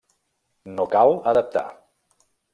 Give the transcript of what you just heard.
No cal adaptar.